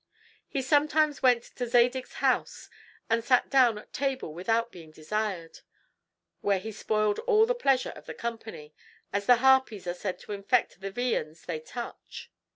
He sometimes went to Zadig's house, and sat down at table without being desired; where he spoiled all the pleasure of the company, as the harpies are said to infect the viands they touch.